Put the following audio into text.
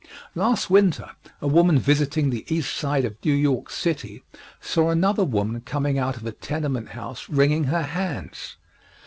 Last winter a woman visiting the East Side of New York City saw another woman coming out of a tenement house wringing her hands.